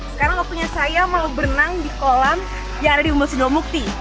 sekarang waktunya saya mau berenang di kolam yang ada di umbul sinomukti